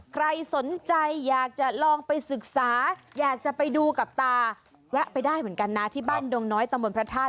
ใครสนใจอยากจะลองไปศึกษาอยากจะไปดูกับตาแวะไปได้เหมือนกันนะที่บ้านดงน้อยตะมนต์พระธาตุ